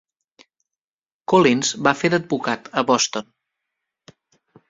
Collins va fer d'advocat a Boston.